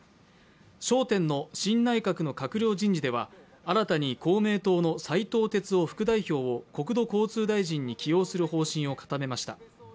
焦点の新内閣の閣僚人事では新たに公明党の斉藤鉄夫副代表を国土交通大臣に起用する方針を固めました。